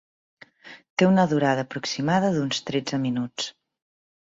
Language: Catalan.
Té una durada aproximada d'uns tretze minuts.